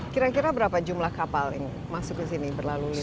kira kira berapa jumlah kapal yang masuk ke sini berlalu lintas